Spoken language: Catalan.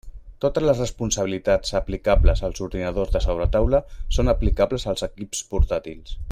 Totes les responsabilitats aplicables als ordinadors de sobretaula són aplicables als equips portàtils.